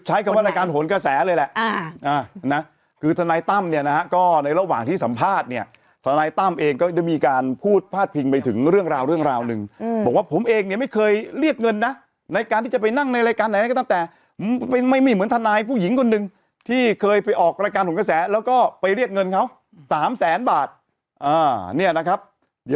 ใช้คำว่ารายการโหนกระแสเลยแหละนะคือทนายตั้มเนี่ยนะฮะก็ในระหว่างที่สัมภาษณ์เนี่ยทนายตั้มเองก็ได้มีการพูดพาดพิงไปถึงเรื่องราวเรื่องราวหนึ่งบอกว่าผมเองเนี่ยไม่เคยเรียกเงินนะในการที่จะไปนั่งในรายการไหนก็ตามแต่ไม่เหมือนทนายผู้หญิงคนหนึ่งที่เคยไปออกรายการหนกระแสแล้วก็ไปเรียกเงินเขาสามแสนบาท